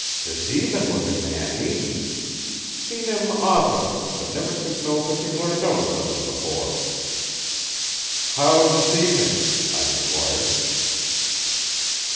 'Deceivin' lookin' man, ain't he? Seen him often, but never took no pertick'lar notice of him before.' 'How deceiving?' I enquired.